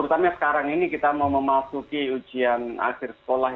terutama sekarang ini kita mau memasuki ujian akhir sekolah